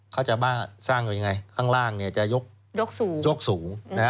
เขาจะสร้างอย่างไรข้างล่างเนี่ยจะยกสูง